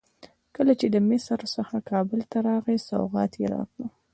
کله چې له مصر څخه کابل ته راغی سوغات یې راکړ.